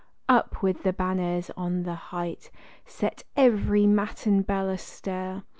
Up with the banners on the height, set every matin bell astir!